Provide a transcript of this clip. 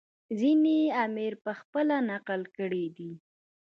ځینې یې امیر پخپله نقل کړي دي.